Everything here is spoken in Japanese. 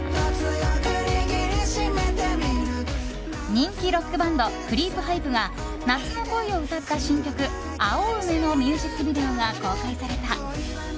人気ロックバンドクリープハイプが夏の恋を歌った新曲「青梅」のミュージックビデオが公開された。